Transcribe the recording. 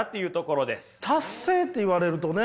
達成って言われるとね。